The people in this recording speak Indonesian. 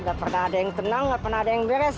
gak pernah ada yang tenang nggak pernah ada yang beres